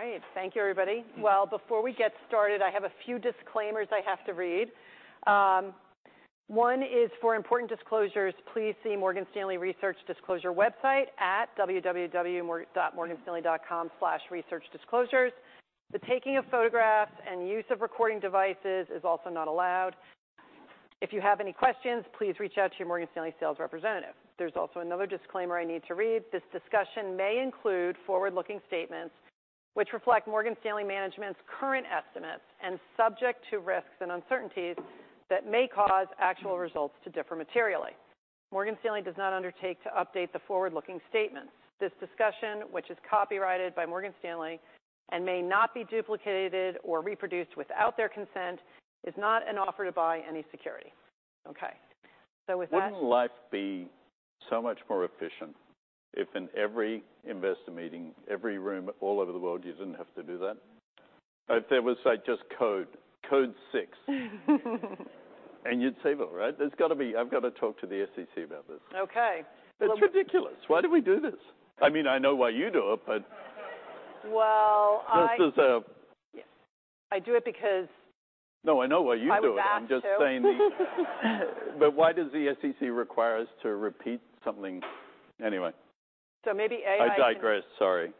All right. Thank you, everybody. Before we get started, I have a few disclaimers I have to read. One is for important disclosures, please see Morgan Stanley Research Disclosure website at www.morganstanley.com/researchdisclosures. The taking of photographs and use of recording devices is also not allowed. If you have any questions, please reach out to your Morgan Stanley sales representative. There's also another disclaimer I need to read: This discussion may include forward-looking statements which reflect Morgan Stanley management's current estimates and subject to risks and uncertainties that may cause actual results to differ materially. Morgan Stanley does not undertake to update the forward-looking statements. This discussion, which is copyrighted by Morgan Stanley and may not be duplicated or reproduced without their consent, is not an offer to buy any security. With that. Wouldn't life be so much more efficient if in every investor meeting, every room, all over the world, you didn't have to do that? If there was like, just code 6. You'd save it, right? There's got to be, I've got to talk to the SEC about this. Okay. It's ridiculous. Why do we do this? I mean, I know why you do it, but. Well. This is. I do it because. No, I know why you do it. I was asked to. I'm just saying, but why does the SEC require us to repeat something anyway? Maybe AI. I digress. Sorry.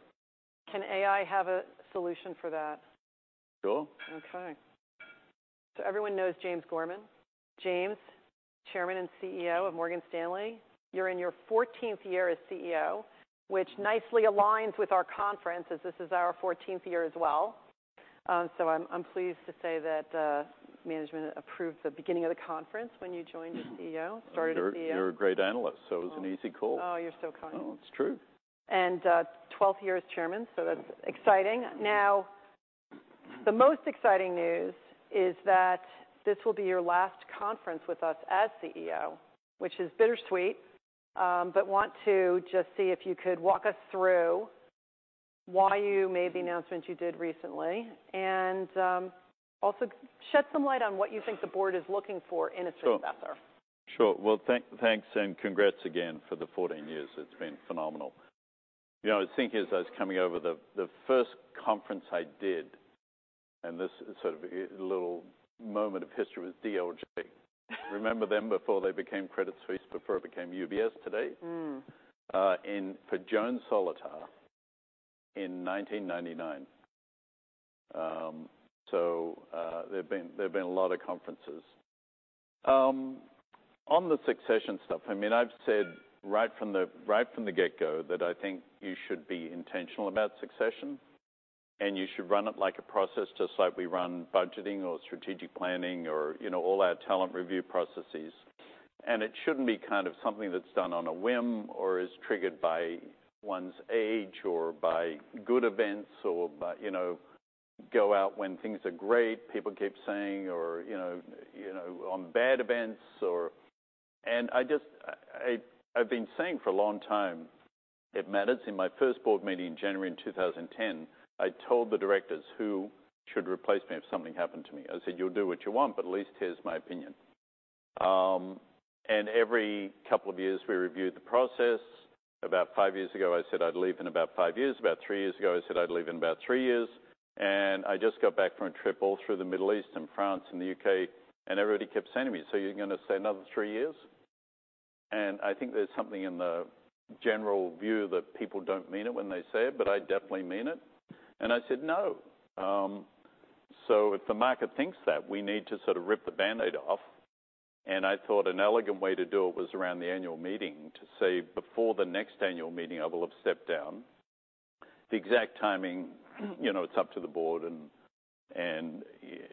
Can AI have a solution for that? Sure. Okay. Everyone knows James Gorman. James, Chairman and CEO of Morgan Stanley. You're in your 14th year as CEO, which nicely aligns with our conference, as this is our 14th year as well. I'm pleased to say that management approved the beginning of the conference when you joined as CEO, started as CEO. You're a great analyst. It was an easy call. Oh, you're so kind. Oh, it's true. 12th year as chairman, so that's exciting. Now, the most exciting news is that this will be your last conference with us as CEO, which is bittersweet, but want to just see if you could walk us through why you made the announcement you did recently, and also shed some light on what you think the board is looking for in a successor. Sure. Well, thanks and congrats again for the 14 years. It's been phenomenal. You know, I was thinking as I was coming over, the first conference I did, and this is sort of a little moment of history, was DLJ. Remember them before they became Credit Suisse, before it became UBS today? Mm. For Joan Solotar in 1999. There have been a lot of conferences. On the succession stuff, I mean, I've said right from the get-go that I think you should be intentional about succession, and you should run it like a process, just like we run budgeting or strategic planning or, you know, all our talent review processes. It shouldn't be kind of something that's done on a whim or is triggered by one's age or by good events or by, you know, go out when things are great, people keep saying, or, you know, on bad events, or... I've been saying for a long time, it matters. In my first board meeting in January in 2010, I told the directors who should replace me if something happened to me. I said, "You'll do what you want, but at least here's my opinion." Every couple of years, we reviewed the process. About five years ago, I said I'd leave in about five years. About three years ago, I said I'd leave in about three years. I just got back from a trip all through the Middle East and France and the U.K., and everybody kept saying to me, "So you're gonna stay another three years?" I think there's something in the general view that people don't mean it when they say it, but I definitely mean it. I said, "No." If the market thinks that, we need to sort of rip the Band-Aid off, and I thought an elegant way to do it was around the annual meeting to say, before the next annual meeting, I will have stepped down. The exact timing, you know, it's up to the board and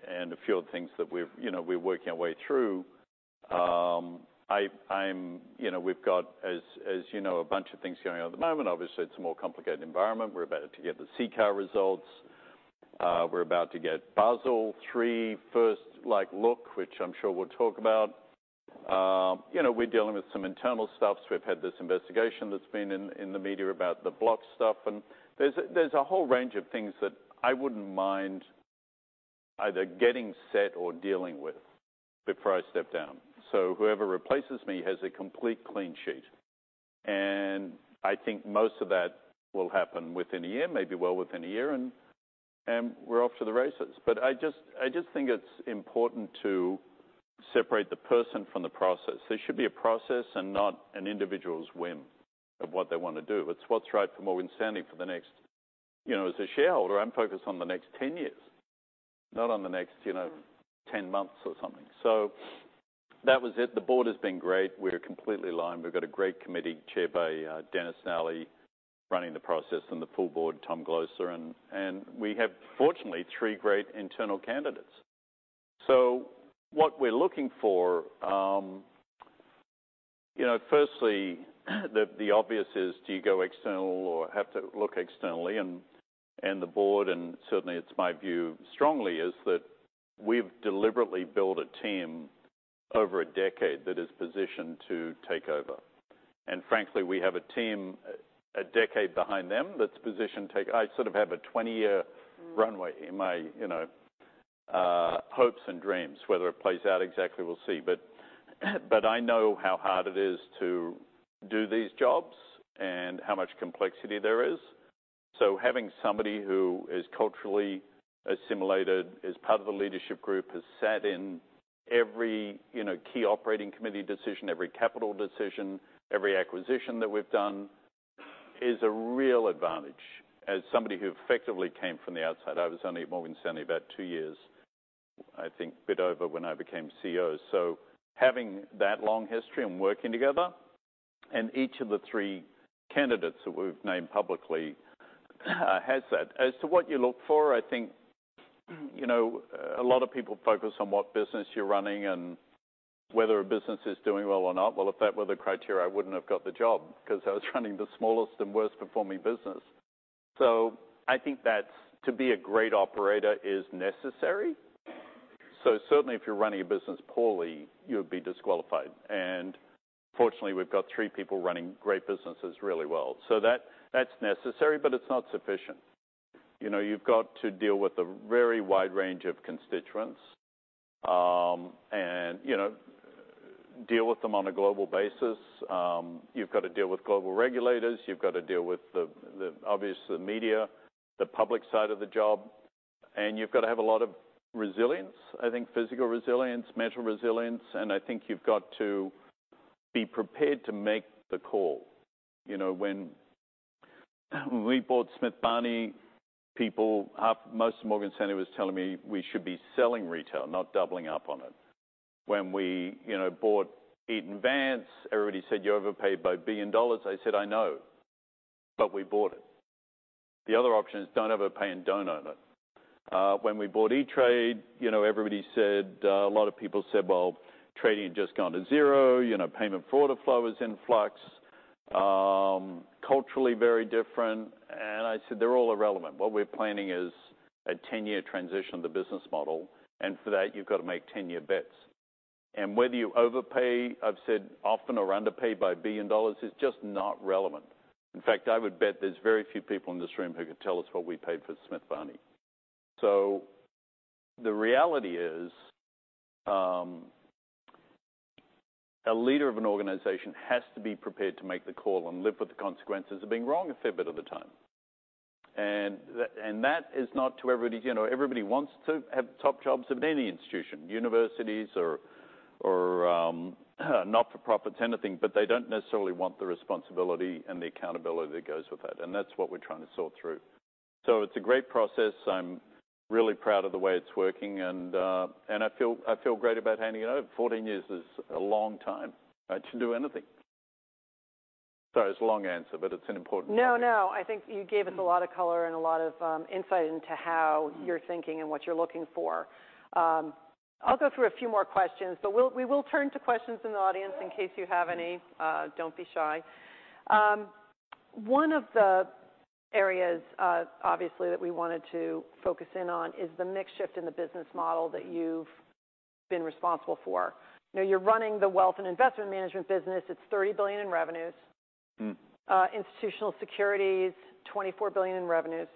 a few other things that we've, you know, we're working our way through. I'm, you know, we've got, as you know, a bunch of things going on at the moment. Obviously, it's a more complicated environment. We're about to get the CCAR results. We're about to get Basel III first, like, look, which I'm sure we'll talk about. You know, we're dealing with some internal stuffs. We've had this investigation that's been in the media about the block stuff, and there's a whole range of things that I wouldn't mind either getting set or dealing with before I step down. Whoever replaces me has a complete clean sheet, and I think most of that will happen within a year, maybe well within a year, and we're off to the races. I just think it's important to separate the person from the process. There should be a process and not an individual's whim of what they want to do. It's what's right for Morgan Stanley for the next... You know, as a shareholder, I'm focused on the next 10 years, not on the next, you know, 10 months or something. That was it. The board has been great. We're completely aligned. We've got a great committee chaired by Dennis Nally, running the process, and the full board, Tom Glocer, and we have, fortunately, three great internal candidates. What we're looking for, you know, firstly, the obvious is do you go external or have to look externally? The board, certainly it's my view, strongly, is that we've deliberately built a team over a decade that is positioned to take over. Frankly, we have a team a decade behind them that's positioned to take. I sort of have a 20-year runway in my, you know, hopes and dreams. Whether it plays out exactly, we'll see. I know how hard it is to do these jobs and how much complexity there is. Having somebody who is culturally assimilated, is part of the leadership group, has sat in every, you know, key operating committee decision, every capital decision, every acquisition that we've done, is a real advantage. As somebody who effectively came from the outside, I was only at Morgan Stanley about 2 years, I think a bit over when I became CEO. Having that long history and working together, and each of the three candidates that we've named publicly, has that. As to what you look for, I think, you know, a lot of people focus on what business you're running and whether a business is doing well or not. Well, if that were the criteria, I wouldn't have got the job because I was running the smallest and worst-performing business. I think that's to be a great operator is necessary. Certainly, if you're running a business poorly, you would be disqualified. Fortunately, we've got three people running great businesses really well. That's necessary, but it's not sufficient. You know, you've got to deal with a very wide range of constituents, and, you know, deal with them on a global basis. You've got to deal with global regulators, you've got to deal with the obvious, the media, the public side of the job, and you've got to have a lot of resilience. I think physical resilience, mental resilience, and I think you've got to be prepared to make the call. You know, when we bought Smith Barney, people, most of Morgan Stanley was telling me we should be selling retail, not doubling up on it. When we, you know, bought Eaton Vance, everybody said, "You overpaid by $1 billion." I said, "I know," we bought it. The other option is don't overpay and don't own it. When we bought E*TRADE, you know, everybody said, a lot of people said, "Well, trading had just gone to 0. You know, payment for order flow is in flux." Culturally very different, I said, "They're all irrelevant. What we're planning is a 10-year transition of the business model, for that, you've got to make 10-year bets." Whether you overpay, I've said often or underpay by $1 billion is just not relevant. In fact, I would bet there's very few people in this room who could tell us what we paid for Smith Barney. The reality is, a leader of an organization has to be prepared to make the call and live with the consequences of being wrong a fair bit of the time. That is not to everybody's. You know, everybody wants to have top jobs at any institution, universities or not-for-profits, anything, but they don't necessarily want the responsibility and the accountability that goes with that, and that's what we're trying to sort through. It's a great process. I'm really proud of the way it's working, and I feel great about handing it over. 14 years is a long time to do anything. Sorry, it's a long answer, but it's an important one. No, no. I think you gave us a lot of color and a lot of insight into how you're thinking and what you're looking for. I'll go through a few more questions, but we will turn to questions from the audience in case you have any. Don't be shy. One of the areas, obviously, that we wanted to focus in on is the mix shift in the business model that you've been responsible for. Now, you're running the Wealth and Investment Management business. It's $30 billion in revenues. Mm. institutional securities, $24 billion in revenues.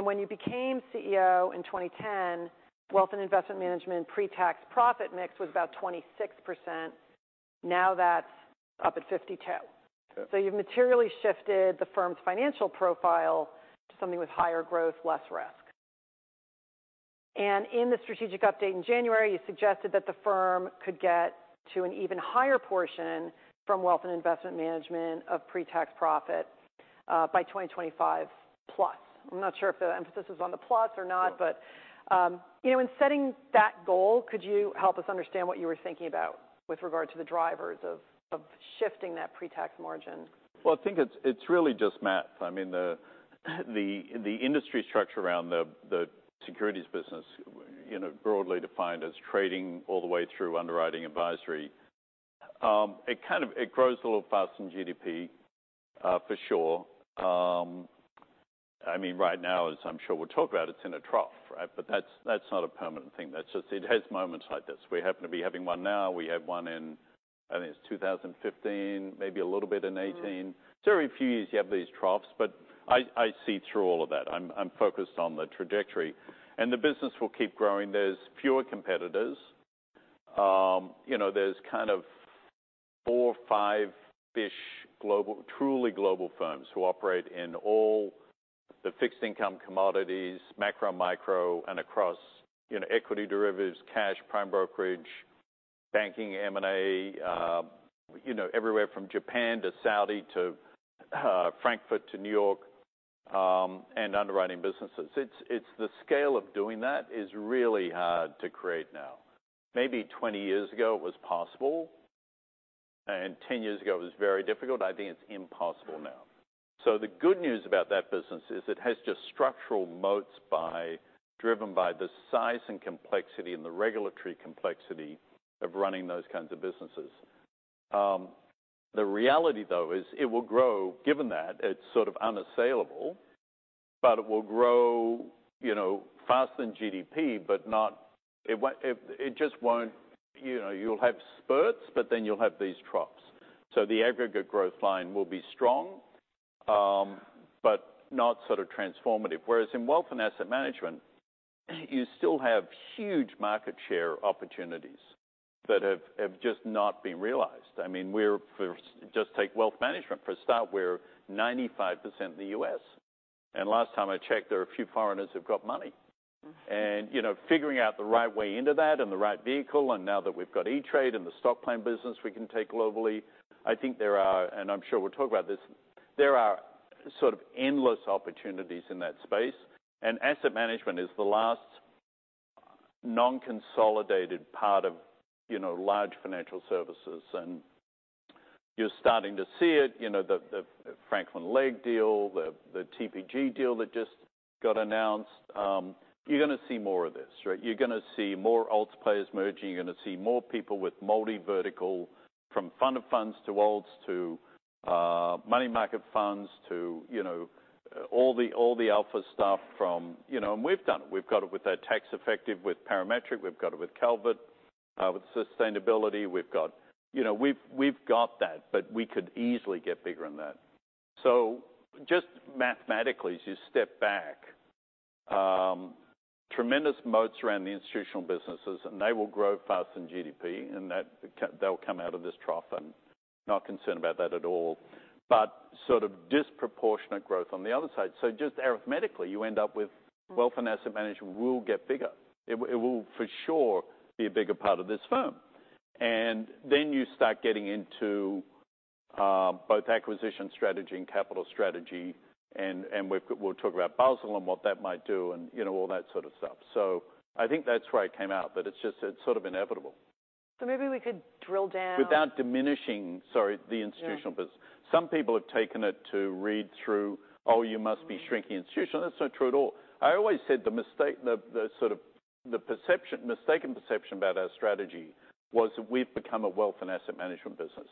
When you became CEO in 2010, wealth and investment management pre-tax profit mix was about 26%. Now, that's up at 52%. Yeah. You've materially shifted the firm's financial profile to something with higher growth, less risk. In the strategic update in January, you suggested that the firm could get to an even higher portion from wealth and investment management of pre-tax profit by 2025+. I'm not sure if the emphasis is on the plus or not. Sure. You know, in setting that goal, could you help us understand what you were thinking about with regard to the drivers of shifting that pre-tax margin? Well, I think it's really just math. I mean, the industry structure around the securities business, you know, broadly defined as trading all the way through underwriting advisory. It grows a little faster than GDP for sure. I mean, right now, as I'm sure we'll talk about, it's in a trough, right? That's not a permanent thing. That's just, it has moments like this. We happen to be having one now. We had one in, I think it's 2015, maybe a little bit in 2018. Mm. Every few years you have these troughs, but I see through all of that. I'm focused on the trajectory, and the business will keep growing. There's fewer competitors. You know, there's kind of 4, 5-ish global, truly global firms who operate in all the fixed income commodities, macro, micro, and across, you know, equity derivatives, cash, prime brokerage, banking, M&A, you know, everywhere from Japan to Saudi to Frankfurt to New York, and underwriting businesses. It's, it's the scale of doing that is really hard to create now. Maybe 20 years ago, it was possible, and 10 years ago, it was very difficult. I think it's impossible now. The good news about that business is it has just structural moats driven by the size and complexity and the regulatory complexity of running those kinds of businesses. The reality, though, is it will grow, given that it's sort of unassailable, but it will grow, you know, faster than GDP, but not. It just won't. You know, you'll have spurts, but then you'll have these troughs. The aggregate growth line will be strong. Not sort of transformative. Whereas in wealth and asset management, you still have huge market share opportunities that have just not been realized. I mean, just take wealth management for a start, we're 95% in the U.S., Last time I checked, there are a few foreigners who've got money. you know, figuring out the right way into that and the right vehicle, and now that we've got E*TRADE and the stock plan business we can take globally, I think there are, and I'm sure we'll talk about this, there are sort of endless opportunities in that space, and asset management is the last non-consolidated part of, you know, large financial services. You're starting to see it, you know, the Franklin Templeton deal, the TPG deal that just got announced. You're gonna see more of this, right? You're gonna see more alts players merging. You're gonna see more people with multi-vertical, from fund to funds, to alts, to money market funds, to, you know, all the, all the alpha stuff from... You know, we've done it. We've got it with our tax effective, with Parametric, we've got it with Calvert with sustainability. We've got, you know, we've got that, but we could easily get bigger than that. Just mathematically, as you step back, tremendous moats around the institutional businesses, and they will grow faster than GDP, and they'll come out of this trough, and not concerned about that at all, but sort of disproportionate growth on the other side. Just arithmetically, you end up with wealth and asset management will get bigger. It will, for sure, be a bigger part of this firm. Then you start getting into both acquisition strategy and capital strategy, and we'll talk about Basel and what that might do, and, you know, all that sort of stuff. I think that's where I came out, but it's just, it's sort of inevitable. Maybe we could drill down. Without diminishing, sorry, the institutional-. Yeah. Business. Some people have taken it to read through, "Oh, you must be shrinking institutional." That's not true at all. I always said the mistake, the sort of, the perception, mistaken perception about our strategy was that we've become a wealth and asset management business.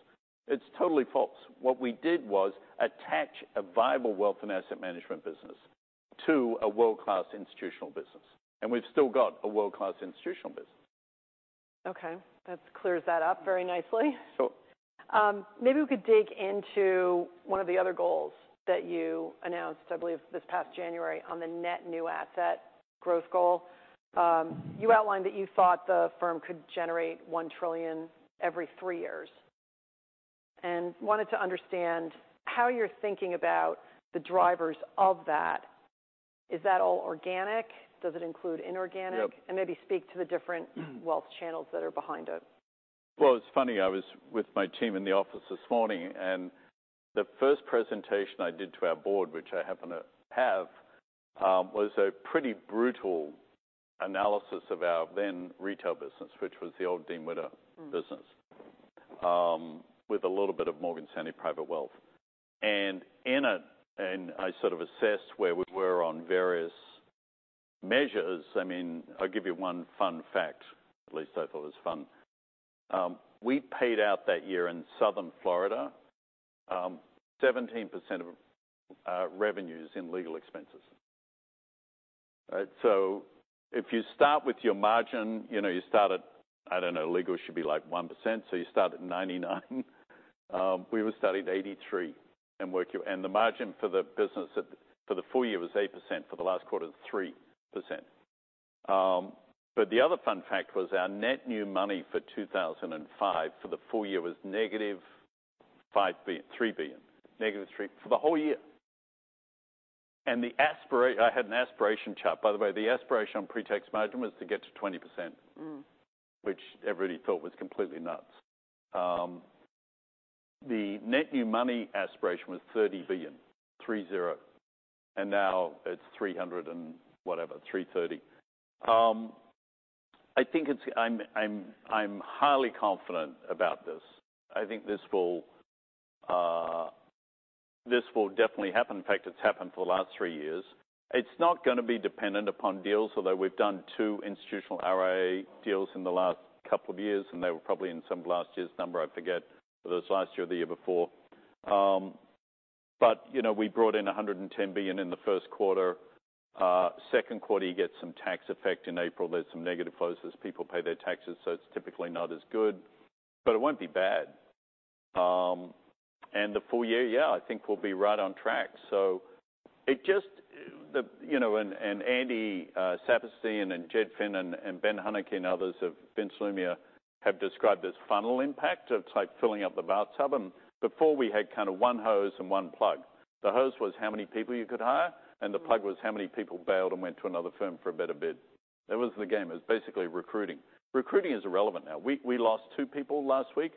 It's totally false. What we did was attach a viable wealth and asset management business to a world-class institutional business, and we've still got a world-class institutional business. Okay, that clears that up very nicely. Sure. Maybe we could dig into one of the other goals that you announced, I believe, this past January, on the net new asset growth goal. You outlined that you thought the firm could generate $1 trillion every 3 years. Wanted to understand how you're thinking about the drivers of that. Is that all organic? Does it include inorganic? Yep. Maybe speak to the wealth channels that are behind it. It's funny, I was with my team in the office this morning, and the first presentation I did to our board, which I happen to have, was a pretty brutal analysis of our then retail business, which was the old Dean Witter business. Mm. With a little bit of Morgan Stanley private wealth. In it, I sort of assessed where we were on various measures. I mean, I'll give you one fun fact, at least I thought it was fun. We paid out that year in southern Florida, 17% of revenues in legal expenses. Right? If you start with your margin, you know, you start at, I don't know, legal should be, like, 1%, so you start at 99. We were starting at 83 and work your. The margin for the business at, for the full year was 8%, for the last quarter, it was 3%. The other fun fact was our net new money for 2005, for the full year, was -$5 billion, $3 billion. Negative $3 billion for the whole year. I had an aspiration chart, by the way. The aspiration on pre-tax margin was to get to 20%. Mm. which everybody thought was completely nuts. The net new money aspiration was $30 billion, 3, 0, and now it's $300 and whatever, $330. I think it's... I'm highly confident about this. I think this will definitely happen. In fact, it's happened for the last 3 years. It's not gonna be dependent upon deals, although we've done two institutional RIA deals in the last couple of years, and they were probably in some of last year's number, I forget, whether it's last year or the year before. You know, we brought in $110 billion in the first quarter. Second quarter, you get some tax effect. In April, there's some negative closes. People pay their taxes, it's typically not as good, it won't be bad. The full year, yeah, I think we'll be right on track. It just, you know, and Andy Saperstein and Jed Finn and Ben Huneke and others, Ben Slavin, have described as funnel impact. It's like filling up the bathtub, and before we had kind of one hose and one plug. The hose was how many people you could hire, and the plug was how many people bailed and went to another firm for a better bid. That was the game. It was basically recruiting. Recruiting is irrelevant now. We lost two people last week.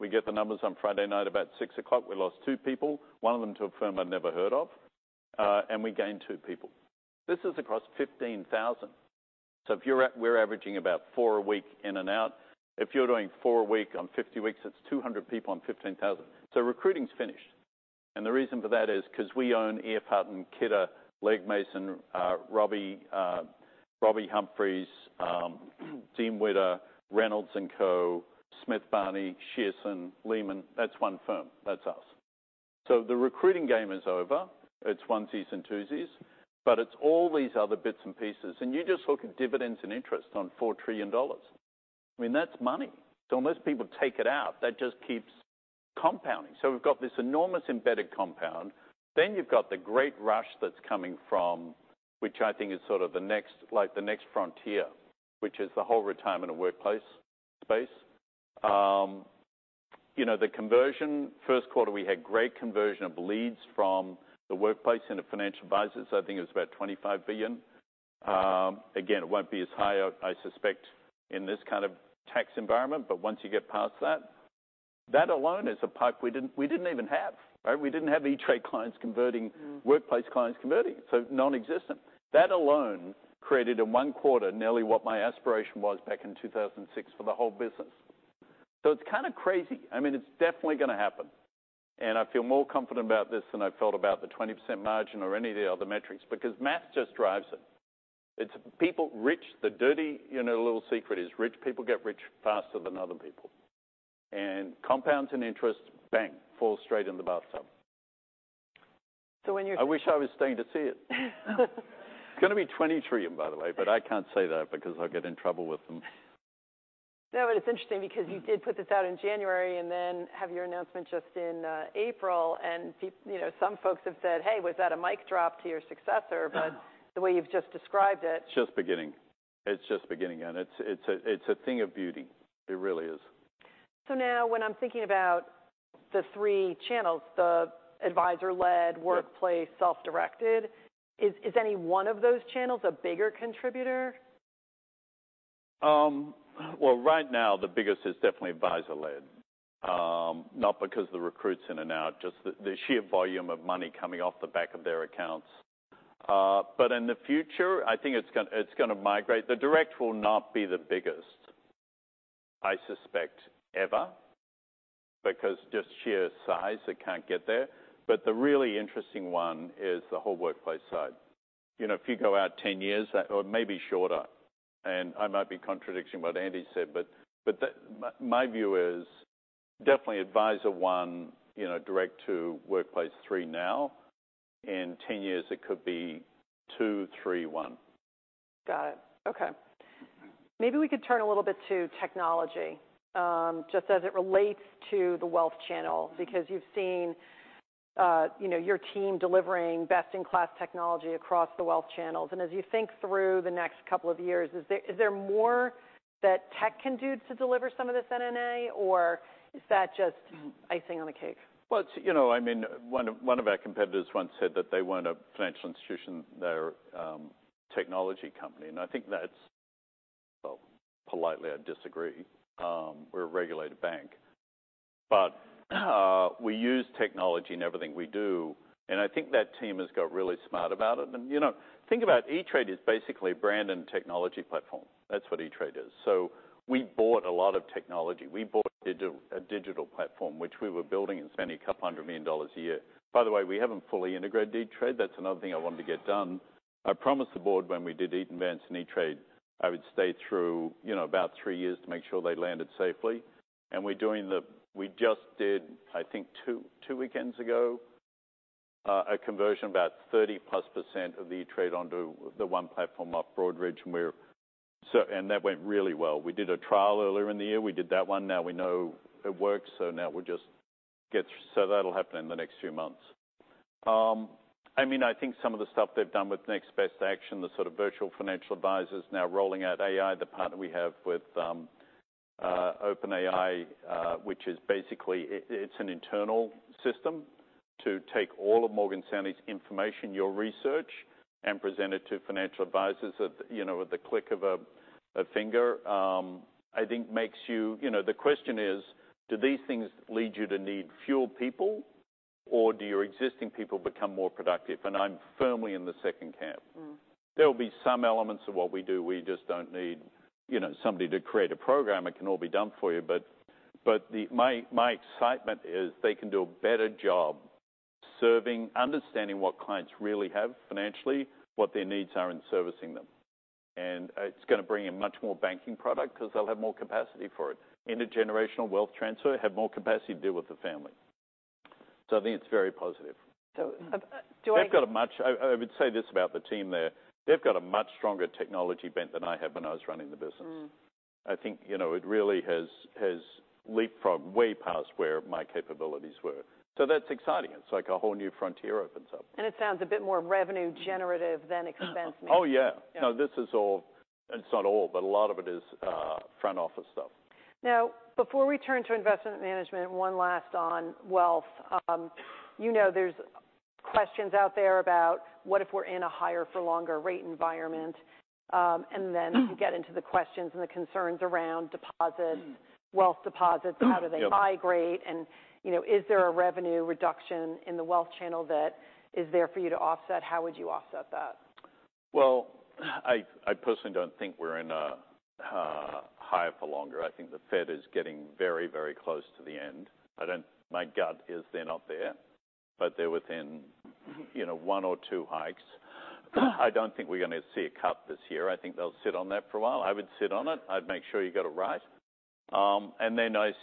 We get the numbers on Friday night about 6:00 P.M. We lost two people, one of them to a firm I've never heard of, and we gained 2 people. This is across 15,000. If you're averaging about 4 a week in and out. If you're doing 4 a week on 50 weeks, that's 200 people on 15,000. Recruiting's finished, and the reason for that is 'cause we own E.F. Hutton, Kidder, Legg Mason, Robinson-Humphrey, Dean Witter, Reynolds & Co, Smith Barney, Shearson, Lehman. That's one firm. That's us. The recruiting game is over. It's onesies and twosies, but it's all these other bits and pieces, and you just look at dividends and interest on $4 trillion. I mean, that's money. Unless people take it out, that just keeps compounding. We've got this enormous embedded compound. You've got the great rush that's coming from, which I think is sort of the next, like, the next frontier, which is the whole retirement and workplace space. You know, the conversion, first quarter, we had great conversion of leads from the workplace into financial advisors. I think it was about $25 billion. Again, it won't be as high, I suspect, in this kind of tax environment, but once you get past that alone is a pipe we didn't, we didn't even have, right? We didn't have E*TRADE clients converting. Mm. workplace clients converting. Nonexistent. That alone created, in 1/4, nearly what my aspiration was back in 2006 for the whole business. It's kind of crazy. I mean, it's definitely gonna happen, and I feel more confident about this than I felt about the 20% margin or any of the other metrics because math just drives it. It's people rich. The dirty, you know, little secret is rich people get rich faster than other people, and compounds and interest, bang, fall straight in the bathtub. When. I wish I was staying to see it. It's gonna be $20 trillion, by the way, but I can't say that because I'll get in trouble with them. No, it's interesting because you did put this out in January and then have your announcement just in April. You know, some folks have said, "Hey, was that a mic drop to your successor?" the way you've just described it. It's just beginning. It's just beginning, it's a thing of beauty. It really is. Now when I'm thinking about the three channels, the advisor-led. Yes Workplace, self-directed, is any one of those channels a bigger contributor? Well, right now, the biggest is definitely advisor-led. Not because the recruits in and out, just the sheer volume of money coming off the back of their accounts. In the future, I think it's gonna migrate. The direct will not be the biggest, I suspect, ever, because just sheer size, it can't get there. The really interesting one is the whole workplace side. You know, if you go out 10 years, that or maybe shorter, and I might be contradicting what Andy said, but my view is definitely advisor, 1, you know, direct to workplace, three now. In 10 years, it could be two, three, one. Got it. Okay. Maybe we could turn a little bit to technology, just as it relates to the wealth channel, because you've seen, you know, your team delivering best-in-class technology across the wealth channels. As you think through the next couple of years, is there more that tech can do to deliver some of this NNA, or is that just icing on the cake? Well, you know, I mean, one of our competitors once said that they weren't a financial institution, they're a technology company. I think that's... Well, politely, I disagree. We're a regulated bank, we use technology in everything we do. I think that team has got really smart about it. You know, think about E*TRADE is basically a brand and technology platform. That's what E*TRADE is. We bought a lot of technology. We bought a digital platform, which we were building and spending $200 million a year. By the way, we haven't fully integrated E*TRADE. That's another thing I wanted to get done. I promised the board when we did Eaton Vance and E*TRADE, I would stay through, you know, about 3 years to make sure they landed safely. We just did, I think 2 weekends ago, a conversion about 30+% of the E*TRADE onto the one platform off Broadridge. That went really well. We did a trial earlier in the year. We did that one. Now we know it works, now we'll just get. That'll happen in the next few months. I mean, I think some of the stuff they've done with Next Best Action, the sort of virtual financial advisors now rolling out AI, the partner we have with OpenAI, which is basically, it's an internal system to take all of Morgan Stanley's information, your research, and present it to financial advisors at, you know, at the click of a finger. You know, the question is: do these things lead you to need fewer people, or do your existing people become more productive? I'm firmly in the second camp. Mm. There will be some elements of what we do, we just don't need, you know, somebody to create a program. It can all be done for you. My excitement is they can do a better job serving, understanding what clients really have financially, what their needs are in servicing them. It's gonna bring in much more banking product because they'll have more capacity for it. Intergenerational wealth transfer, have more capacity to deal with the family. I think it's very positive. Do I. I would say this about the team there. They've got a much stronger technology bent than I had when I was running the business. Mm. I think, you know, it really has leapfrogged way past where my capabilities were. That's exciting. It's like a whole new frontier opens up. It sounds a bit more revenue-generative than expense now. Oh, yeah. Yeah. This is all, it's not all, but a lot of it is front-office stuff. Before we turn to investment management, one last on wealth. You know, there's questions out there about what if we're in a higher-for-longer rate environment? And then-. Mm You get into the questions and the concerns around deposits. Mm. Wealth deposits. Yep. How do they migrate, and, you know, is there a revenue reduction in the wealth channel that is there for you to offset? How would you offset that? Well, I personally don't think we're in a higher for longer. I think the Fed is getting very, very close to the end. My gut is they're not there, but they're within, you know, one or two hikes. I don't think we're gonna see a cut this year. I think they'll sit on that for a while. I would sit on it. I'd make sure you got it right. I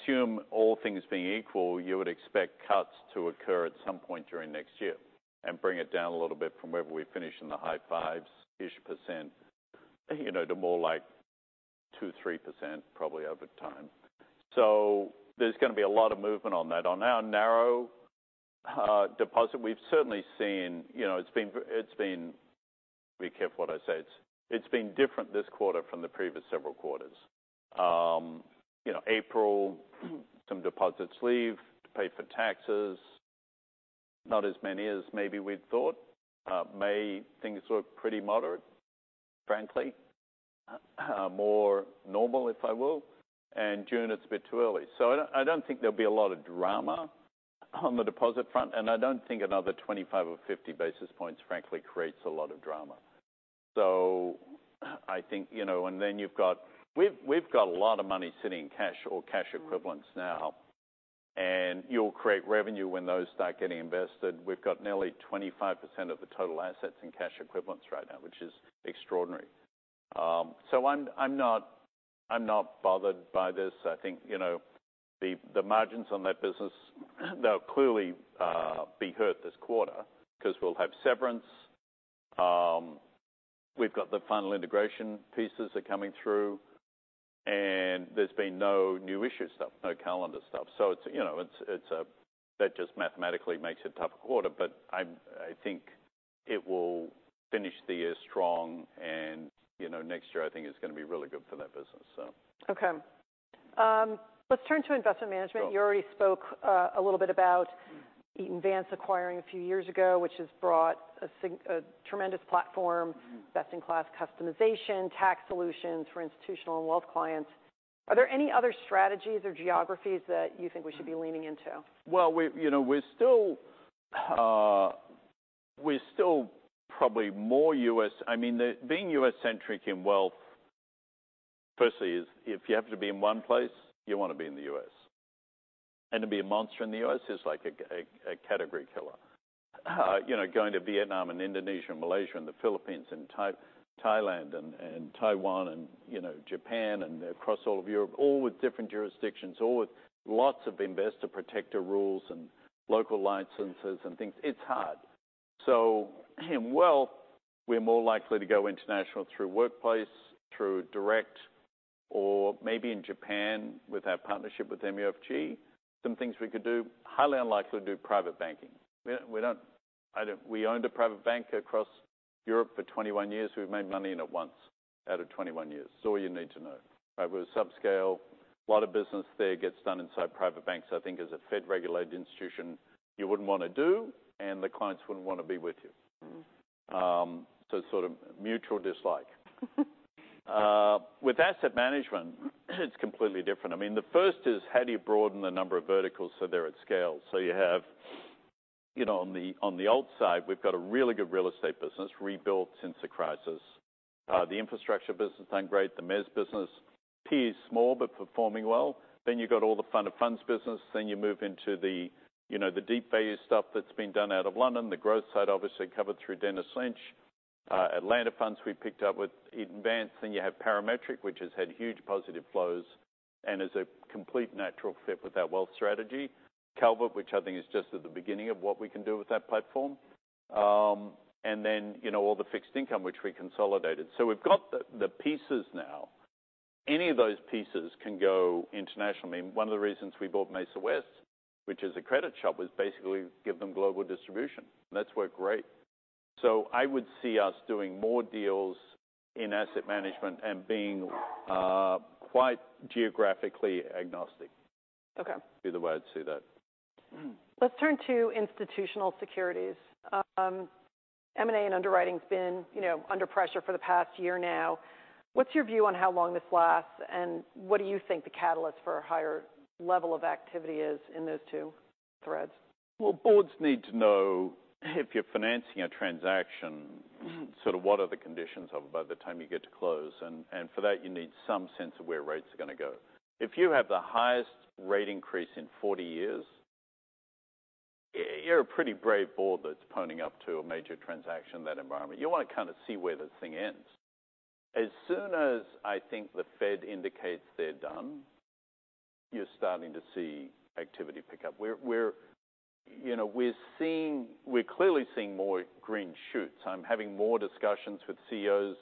assume all things being equal, you would expect cuts to occur at some point during next year and bring it down a little bit from wherever we finish in the high 5s-ish %, you know, to more like 2%, 3% probably over time. There's gonna be a lot of movement on that. On our narrow deposit, we've certainly seen, you know, be careful what I say. It's, it's been different this quarter from the previous several quarters. You know, April, some deposits leave to pay for taxes. Not as many as maybe we'd thought. May, things look pretty moderate, frankly, more normal, if I will, and June, it's a bit too early. I don't think there'll be a lot of drama on the deposit front, and I don't think another 25 or 50 basis points, frankly, creates a lot of drama. I think, you know, and then we've got a lot of money sitting in cash or cash equivalents now, and you'll create revenue when those start getting invested. We've got nearly 25% of the total assets in cash equivalents right now, which is extraordinary. I'm not bothered by this. I think, you know, the margins on that business, they'll clearly be hurt this quarter because we'll have severance. We've got the final integration pieces are coming through, and there's been no new issue stuff, no calendar stuff. It's, you know, it's, that just mathematically makes it a tough quarter, but I think it will finish the year strong, and, you know, next year, I think it's gonna be really good for that business. Okay. Let's turn to investment management. Sure. You already spoke a little bit about Eaton Vance acquiring a few years ago, which has brought a tremendous platform, best-in-class customization, tax solutions for institutional and wealth clients. Are there any other strategies or geographies that you think we should be leaning into? Well, we, you know, we're still probably more U.S. I mean, the being U.S.-centric in wealth, firstly, is if you have to be in one place, you want to be in the U.S. To be a monster in the U.S. is like a category killer. You know, going to Vietnam and Indonesia and Malaysia and the Philippines and Thailand and Taiwan and, you know, Japan and across all of Europe, all with different jurisdictions, all with lots of investor protector rules and local licenses and things, it's hard. In wealth, we're more likely to go international through workplace, through direct or maybe in Japan with our partnership with MUFG. Some things we could do, highly unlikely to do private banking. We don't, I don't. We owned a private bank across Europe for 21 years. We've made money in it once out of 21 years. It's all you need to know. It was subscale. A lot of business there gets done inside private banks. I think as a Fed-regulated institution, you wouldn't want to do, and the clients wouldn't want to be with you. Mm-hmm. Sort of mutual dislike. With asset management, it's completely different. The first is how do you broaden the number of verticals so they're at scale? You have on the alt side, we've got a really good real estate business, rebuilt since the crisis. The infrastructure business doing great. The mezz business, PE is small, but performing well. You've got all the fund of funds business. You move into the deep value stuff that's been done out of London, the growth side obviously covered through Dennis Lynch. Atlanta Capital, we picked up with Eaton Vance. You have Parametric, which has had huge positive flows and is a complete natural fit with our wealth strategy. Calvert, which I think is just at the beginning of what we can do with that platform. You know, all the fixed income, which we consolidated. We've got the pieces now. Any of those pieces can go international. I mean, one of the reasons we bought Mesa West, which is a credit shop, was basically give them global distribution. That's worked great. I would see us doing more deals in asset management and being, quite geographically agnostic. Okay Would be the way I'd say that. Let's turn to institutional securities. M&A and underwriting's been, you know, under pressure for the past year now. What's your view on how long this lasts, and what do you think the catalyst for a higher level of activity is in those two threads? Boards need to know if you're financing a transaction, sort of what are the conditions of it by the time you get to close, and for that, you need some sense of where rates are gonna go. If you have the highest rate increase in 40 years, you're a pretty brave board that's ponying up to a major transaction in that environment. You want to kind of see where this thing ends. As soon as I think the Fed indicates they're done, you're starting to see activity pick up. We're, you know, we're clearly seeing more green shoots. I'm having more discussions with CEOs.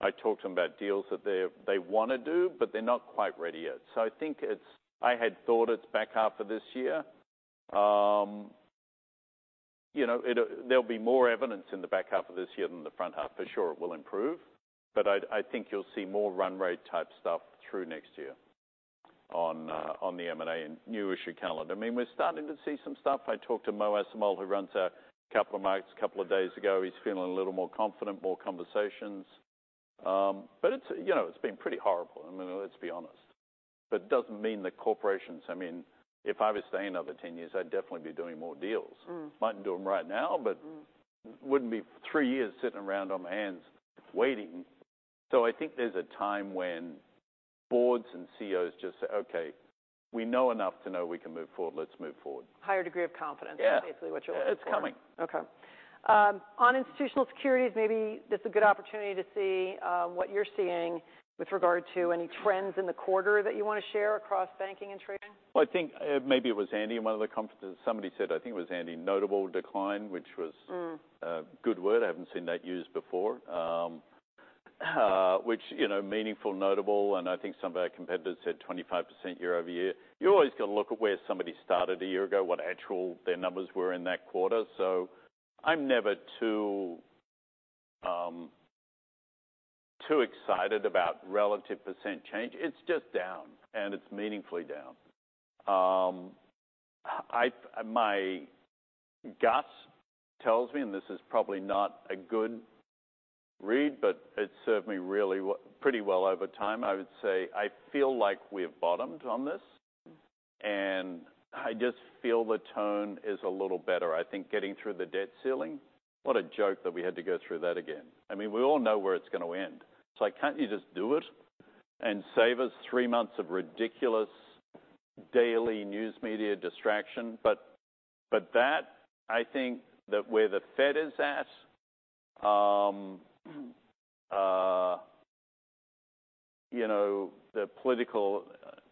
I talk to them about deals that they wanna do, but they're not quite ready yet. I think it's, I had thought it's back half of this year. You know, it, there'll be more evidence in the back half of this year than the front half. For sure, it will improve, but I think you'll see more run rate type stuff through next year on the M&A and new issue calendar. I mean, we're starting to see some stuff. I talked to Mo Assomull, who runs our capital markets, a couple of days ago. He's feeling a little more confident, more conversations. It's, you know, it's been pretty horrible. I mean, let's be honest. It doesn't mean the corporations... I mean, if I was staying another 10 years, I'd definitely be doing more deals. Mm. Might do them right now, but-. Mm Wouldn't be three years sitting around on my hands waiting. I think there's a time when boards and CEOs just say, Okay. We know enough to know we can move forward. Let's move forward. Higher degree of confidence. Yeah. Is basically what you're looking for. It's coming. Okay. On institutional securities, maybe this is a good opportunity to see what you're seeing with regard to any trends in the quarter that you want to share across banking and trading. I think, maybe it was Andy. In one of the conferences, somebody said, I think it was Andy, Notable decline. Mm. A good word. I haven't seen that used before. Which, you know, meaningful, notable, and I think some of our competitors said 25% year-over-year. You've always got to look at where somebody started a year ago, what actual their numbers were in that quarter. I'm never too excited about relative percent change. It's just down, and it's meaningfully down. My gut tells me, and this is probably not a good read, but it served me really well, pretty well over time. I would say, I feel like we've bottomed on this, and I just feel the tone is a little better. I think getting through the debt ceiling, what a joke that we had to go through that again. I mean, we all know where it's going to end. Like, can't you just do it and save us three months of ridiculous daily news media distraction? That, I think that where the Fed is at, you know, the political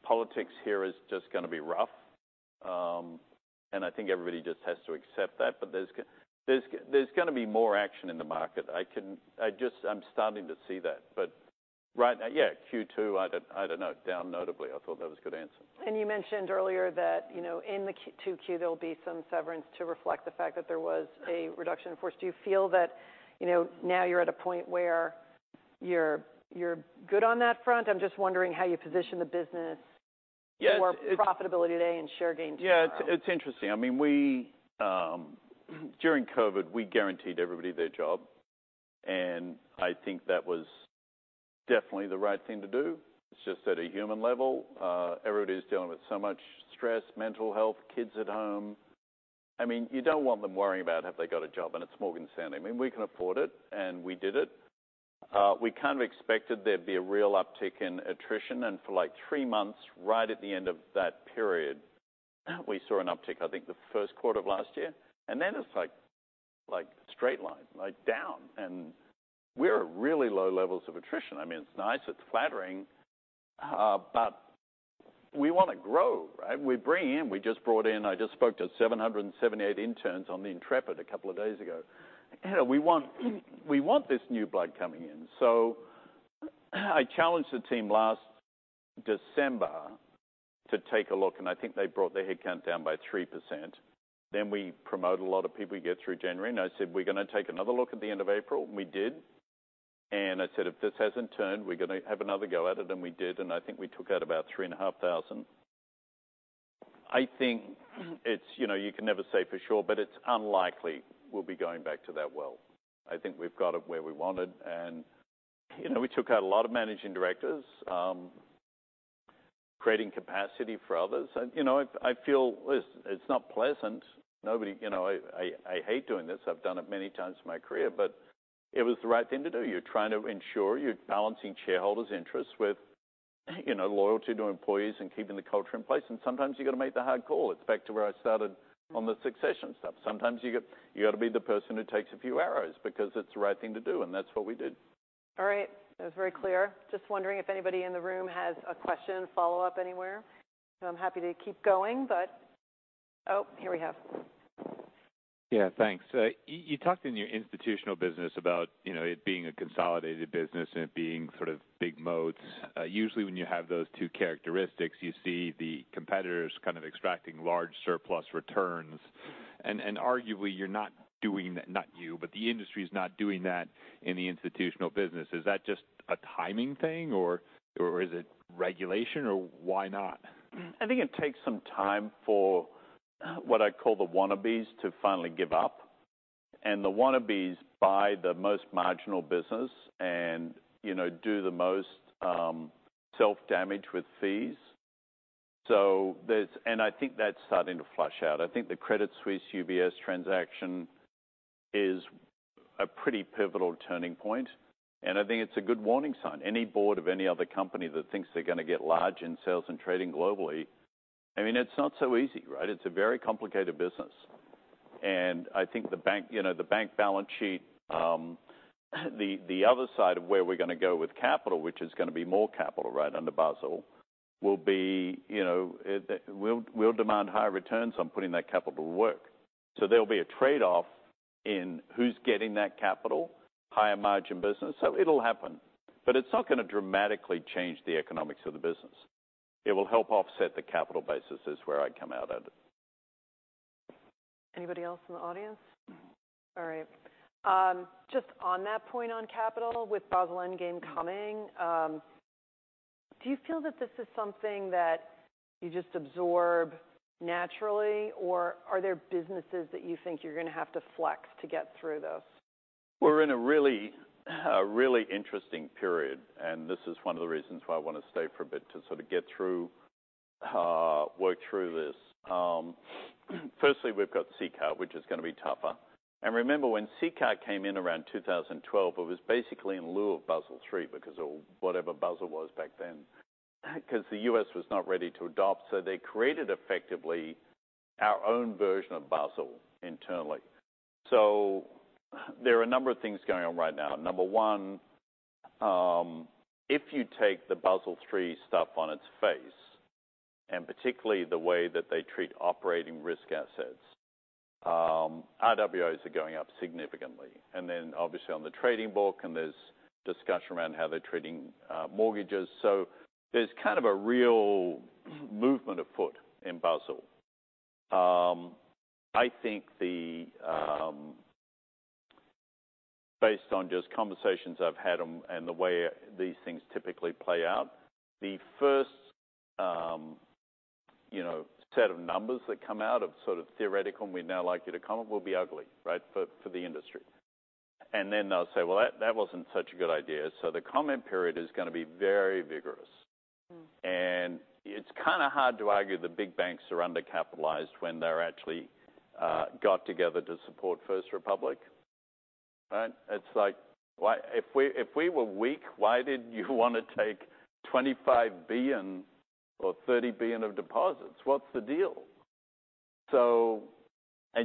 politics here is just gonna be rough. And I think everybody just has to accept that. There's gonna be more action in the market. I'm starting to see that, but right now, yeah, Q2, I don't, I don't know, down notably. I thought that was a good answer. You mentioned earlier that, you know, in the Q, to Q, there will be some severance to reflect the fact that there was a reduction in force. Do you feel that, you know, now you're at a point where you're good on that front? I'm just wondering hoM you position the business-. Yes. More profitability today and share gains tomorrow. Yeah, it's interesting. I mean, we during COVID, we guaranteed everybody their job. I think that was definitely the right thing to do. It's just at a human level, everybody's dealing with so much stress, mental health, kids at home. I mean, you don't want them worrying about if they got a job. It's Morgan Stanley. I mean, we can afford it. We did it. We kind of expected there'd be a real uptick in attrition. For like three months, right at the end of that period, we saw an uptick, I think, the first quarter of last year. It's like straight line, like down. We're at really low levels of attrition. I mean, it's nice, it's flattering. We want to grow, right? We just brought in, I just spoke to 778 interns on the Intrepid a couple of days ago. Hell, we want this new blood coming in. I challenged the team last December to take a look, and I think they brought their headcount down by 3%. We promote a lot of people, we get through January, I said: We're gonna take another look at the end of April, and we did. I said: If this hasn't turned, we're gonna have another go at it than we did, and I think we took out about 3,500. I think, it's, you know, you can never say for sure, but it's unlikely we'll be going back to that well. I think we've got it where we want it, you know, we took out a lot of managing directors, creating capacity for others. You know, I feel it's not pleasant. You know, I hate doing this. I've done it many times in my career, but it was the right thing to do. You're trying to ensure you're balancing shareholders' interests with, you know, loyalty to employees and keeping the culture in place, and sometimes you got to make the hard call. It's back to where I started on the succession stuff. Sometimes you got to be the person who takes a few arrows because it's the right thing to do, and that's what we did. All right. That was very clear. Just wondering if anybody in the room has a question, follow-up anywhere? I'm happy to keep going, but... Oh, here we have. Yeah, thanks. You talked in your institutional business about, you know, it being a consolidated business and it being sort of big moats. Usually, when you have those two characteristics, you see the competitors kind of extracting large surplus returns. Arguably, you're not doing, not you, but the industry is not doing that in the institutional business. Is that just a timing thing, or is it regulation, or why not? I think it takes some time for what I call the wannabes to finally give up. The wannabes buy the most marginal business and, you know, do the most self-damage with fees. I think that's starting to flush out. I think the Credit Suisse UBS transaction is a pretty pivotal turning point, and I think it's a good warning sign. Any board of any other company that thinks they're gonna get large in sales and trading globally, I mean, it's not so easy, right? It's a very complicated business. I think the bank, you know, the bank balance sheet, the other side of where we're gonna go with capital, which is gonna be more capital, right, under Basel, will be, you know, it. We'll demand higher returns on putting that capital to work. there'll be a trade-off in who's getting that capital, higher margin business, so it'll happen, but it's not gonna dramatically change the economics of the business. It will help offset the capital basis, is where I come out at it. Anybody else in the audience? All right. Just on that point on capital, with Basel III Endgame coming, do you feel that this is something that you just absorb naturally, or are there businesses that you're gonna have to flex to get through this? We're in a really interesting period. This is one of the reasons why I want to stay for a bit, to sort of get through, work through this. Firstly, we've got CCAR, which is gonna be tougher. Remember, when CCAR came in around 2012, it was basically in lieu of Basel III because of whatever Basel was back then, because the U.S. was not ready to adopt. They created, effectively, our own version of Basel internally. There are a number of things going on right now. Number one, if you take the Basel III stuff on its face, and particularly the way that they treat operating risk assets, RWAs are going up significantly, and then obviously on the trading book, and there's discussion around how they're treating, mortgages. There's kind of a real movement afoot in Basel. I think the, based on just conversations I've had and the way these things typically play out, the first, you know, set of numbers that come out of sort of theoretical, and we'd now like you to comment, will be ugly, right, for the industry. Then they'll say, "Well, that wasn't such a good idea." The comment period is gonna be very vigorous. Mm. It's kinda hard to argue the big banks are undercapitalized when they're actually got together to support First Republic, right? It's like, if we were weak, why did you wanna take $25 billion or $30 billion of deposits? What's the deal?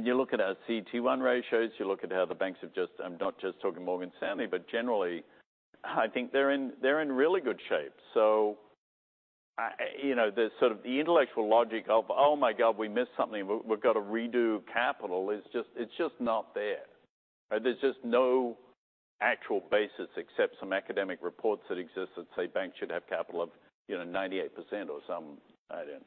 You look at our CET1 ratios, you look at how the banks I'm not just talking Morgan Stanley, but generally, I think they're in, they're in really good shape. I, you know, the sort of the intellectual logic of, "Oh, my God, we missed something. We've got to redo capital," is just, it's just not there. There's just no actual basis, except some academic reports that exist that say banks should have capital of, you know, 98% or some idea.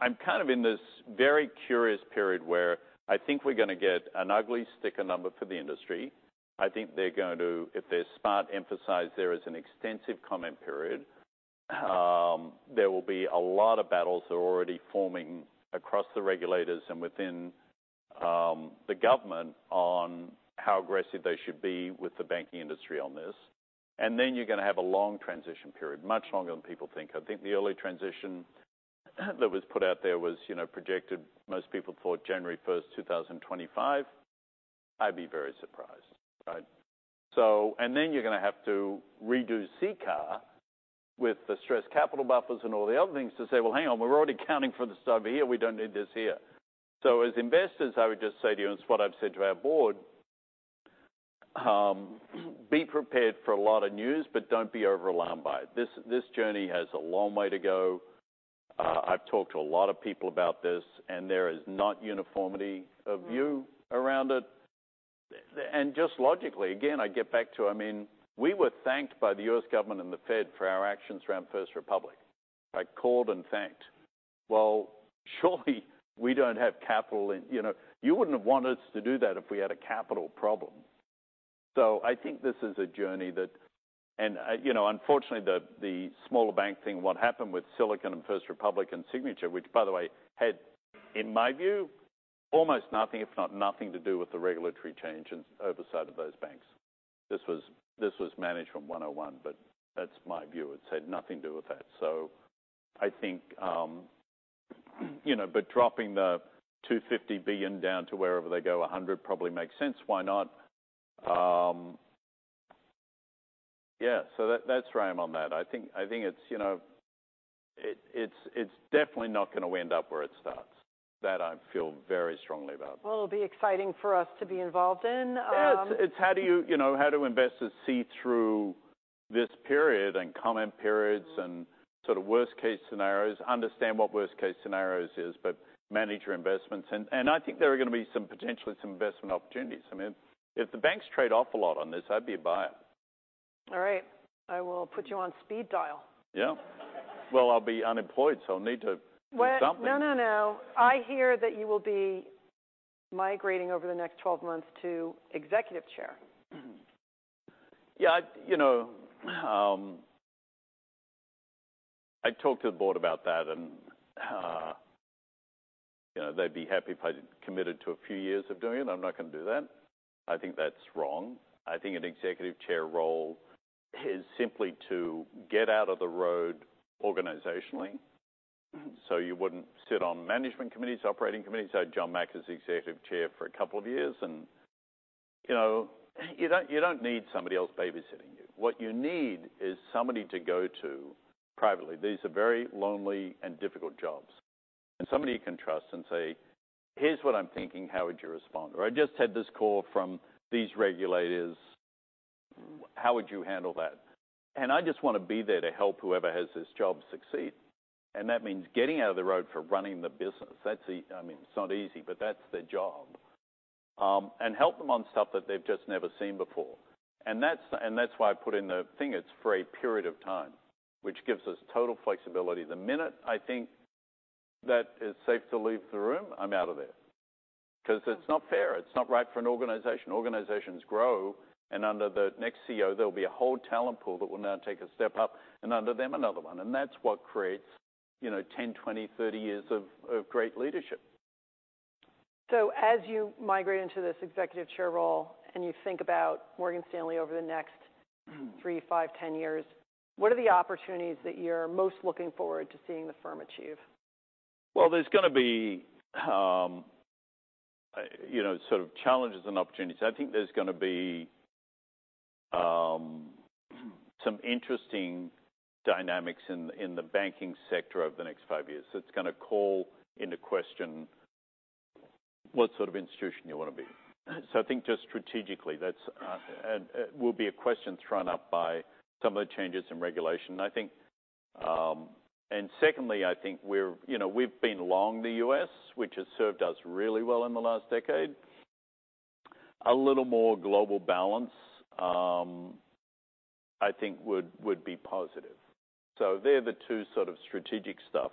I'm kind of in this very curious period where I think we're gonna get an ugly sticker number for the industry. I think they're going to, if they're smart, emphasize there is an extensive comment period. There will be a lot of battles that are already forming across the regulators and within the government on how aggressive they should be with the banking industry on this. Then you're gonna have a long transition period, much longer than people think. I think the early transition that was put out there was, you know, projected, most people thought January 1st, 2025. I'd be very surprised, right? Then you're gonna have to redo CCAR with the stress capital buffers and all the other things to say, "Well, hang on, we're already accounting for this over here. We don't need this here. As investors, I would just say to you, and it's what I've said to our board, be prepared for a lot of news, but don't be overwhelmed by it. This journey has a long way to go. I've talked to a lot of people about this, and there is not uniformity-. Mm Of view around it. Just logically, again, I get back to, I mean, we were thanked by the U.S. government and the Fed for our actions around First Republic. I called and thanked. Well, surely we don't have capital in... You know, you wouldn't have wanted us to do that if we had a capital problem. I think this is a journey that... You know, unfortunately, the smaller bank thing, what happened with Silicon Valley Bank and First Republic and Signature, which, by the way, had, in my view, almost nothing, if not nothing to do with the regulatory change and oversight of those banks. This was Management 101, but that's my view. It had nothing to do with that. I think, you know, but dropping the $250 billion down to wherever they go, $100 probably makes sense. Why not? Yeah, that's where I am on that. I think it's, you know, it's definitely not going to wind up where it starts. That I feel very strongly about. Well, it'll be exciting for us to be involved in. Yeah, You know, how do investors see through this period and comment periods. Mm. Sort of worst-case scenarios, understand what worst-case scenarios is, but manage your investments? I mean, I think there are gonna be some, potentially some investment opportunities. I mean, if the banks trade off a lot on this, I'd be a buyer. All right. I will put you on speed dial. Yeah. Well, I'll be unemployed, so I'll need to do something. Well, no, no. I hear that you will be migrating over the next 12 months to Executive Chair. Yeah, you know, I talked to the board about that, you know, they'd be happy if I committed to a few years of doing it. I'm not gonna do that. I think that's wrong. I think an executive chair role is simply to get out of the road organizationally. You wouldn't sit on management committees, operating committees. James Gorman is the executive chair for a couple of years, you know, you don't need somebody else babysitting you. What you need is somebody to go to privately. These are very lonely and difficult jobs. Somebody you can trust and say: Here's what I'm thinking. How would you respond? I just had this call from these regulators. How would you handle that? I just wanna be there to help whoever has this job succeed, and that means getting out of the road for running the business. That's I mean, it's not easy, but that's their job. Help them on stuff that they've just never seen before. That's why I put in the thing. It's for a period of time, which gives us total flexibility. The minute I think that it's safe to leave the room, I'm out of there. 'Cause it's not fair, it's not right for an organization. Organizations grow, under the next CEO, there will be a whole talent pool that will now take a step up, and under them, another one. That's what creates, you know, 10, 20, 30 years of great leadership. You migrate into this executive chair role, and you think about Morgan Stanley over the next three, five, 10 years, what are the opportunities that you're most looking forward to seeing the firm achieve? Well, there's gonna be, you know, sort of challenges and opportunities. I think there's gonna be some interesting dynamics in the banking sector over the next five years. It's gonna call into question what sort of institution you want to be. I think just strategically, that's will be a question thrown up by some of the changes in regulation. I think, and secondly, I think, you know, we've been long the U.S., which has served us really well in the last decade. A little more global balance, I think would be positive. They're the two sort of strategic stuff.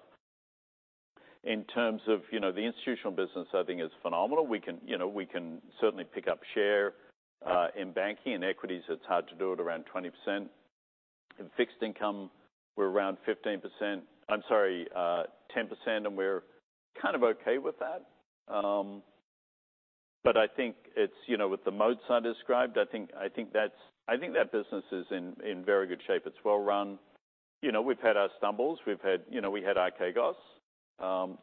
In terms of, you know, the institutional business, I think is phenomenal. We can, you know, we can certainly pick up share in banking and equities. It's hard to do it around 20%. In fixed income, we're around 15%. I'm sorry, 10%, we're kind of okay with that. I think it's, you know, with the modes I described, I think that business is in very good shape. It's well-run. You know, we've had our stumbles. We've had, you know, Archegos,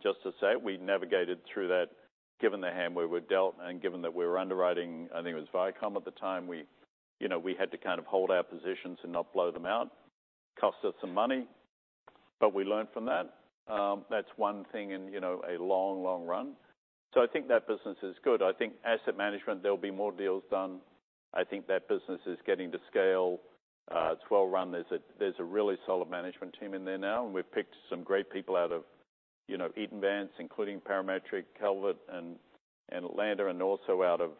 just to say. We navigated through that, given the hand we were dealt and given that we were underwriting, I think it was Viacom at the time. We, you know, we had to kind of hold our positions and not blow them out. Cost us some money, we learned from that. That's one thing in, you know, a long run. I think that business is good. I think asset management, there'll be more deals done. I think that business is getting to scale. It's well-run. There's a really solid management team in there now. We've picked some great people out of, you know, Eaton Vance, including Parametric, Calvert, and Atlanta Capital, and also out of,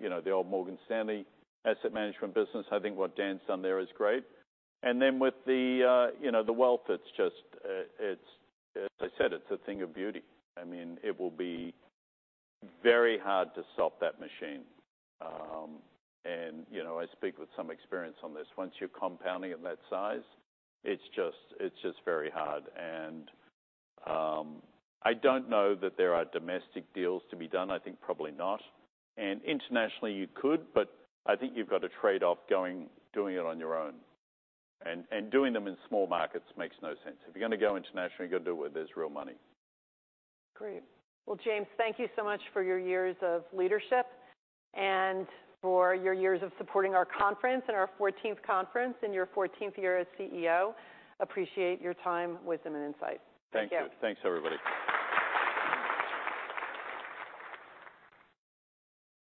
you know, the old Morgan Stanley asset management business. I think what Dan Simkowitz done there is great. With the, you know, the wealth, it's just, as I said, it's a thing of beauty. I mean, it will be very hard to stop that machine. You know, I speak with some experience on this. Once you're compounding at that size, it's just very hard. I don't know that there are domestic deals to be done. I think probably not. Internationally you could, I think you've got to trade off going, doing it on your own. Doing them in small markets makes no sense. If you're gonna go internationally, you gotta do it where there's real money. Great! Well, James, thank you so much for your years of leadership and for your years of supporting our conference and our fourteenth conference, and your fourteenth year as CEO. Appreciate your time, wisdom, and insight. Thank you. Thank you. Thanks, everybody.